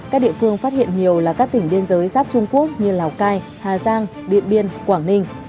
các địa phương phát hiện nhiều là các tỉnh biên giới giáp trung quốc như lào cai hà giang điện biên quảng ninh